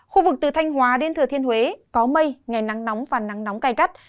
khu vực từ thanh hóa đến thừa thiên huế có mây ngày nắng nóng và nắng nóng cay cắt